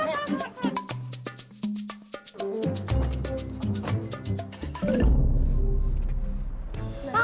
eh salah salah salah